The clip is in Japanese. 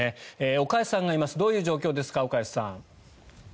岡安さんがいますどういう状況ですか、岡安さん。